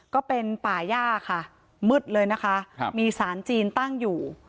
ก็เป็นป่าย่าค่ะมืดเลยนะคะครับมีสารจีนตั้งอยู่